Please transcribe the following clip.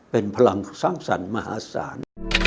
เป็นพลังสร้างสรรค์มหาศาล